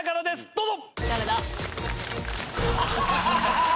どうぞ！